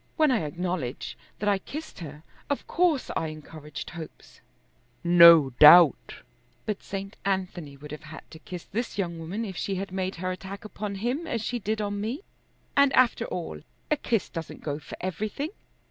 When I acknowledge that I kissed her, of course I encouraged hopes." "No doubt." "But St. Anthony would have had to kiss this young woman if she had made her attack upon him as she did on me; and after all a kiss doesn't go for everything.